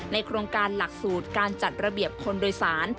โครงการหลักสูตรการจัดระเบียบคนโดยสาร